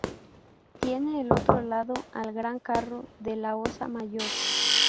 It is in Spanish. Tiene al otro lado al Gran Carro de la Osa Mayor.